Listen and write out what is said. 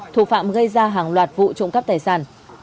thủ phạm gây ra hàng loạt vụ trộm cắp tài sản